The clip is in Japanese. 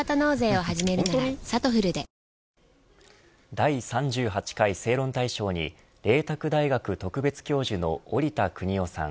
第３８回正論大賞に麗澤大学特別教授の織田邦男さん